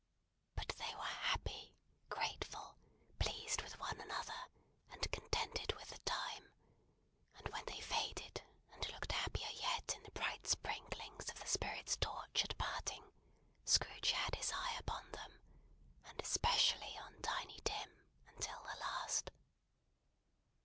But, they were happy, grateful, pleased with one another, and contented with the time; and when they faded, and looked happier yet in the bright sprinklings of the Spirit's torch at parting, Scrooge had his eye upon them, and especially on Tiny Tim, until the last.